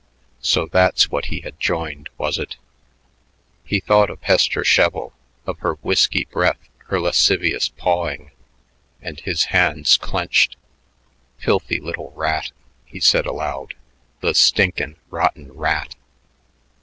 So that's what he had joined, was it? He thought of Hester Sheville, of her whisky breath, her lascivious pawing and his hands clenched. "Filthy little rat," he said aloud, "the stinkin', rotten rat."